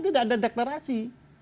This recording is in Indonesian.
tidak ada deklarasi